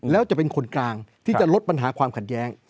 แล้วจะเป็นคนกลางที่จะลดปัญหาความขัดแย้ง